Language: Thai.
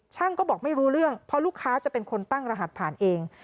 ก็บอกไม่รู้เรื่องเพราะลูกค้าจะเป็นคนตั้งรหัสผ่านเอง